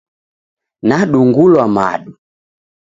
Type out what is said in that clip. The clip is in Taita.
Nadung'ulwa madu.